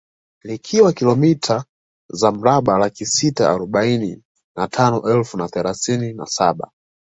Likiwa kilomita za mraba Laki tisa arobaini na tano elfu na themanini na saba